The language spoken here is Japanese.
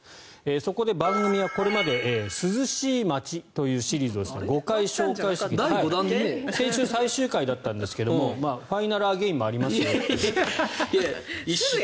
そこで番組はこれまで涼しい街シリーズというのを５回紹介したんですが先週、最終回だったんですがファイナルアゲインもありますよと。